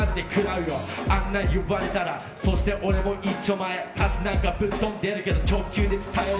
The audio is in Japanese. あんな言われたらそして俺もいっちょまえ歌詞なんかぶっ飛んでるけど直球で伝える。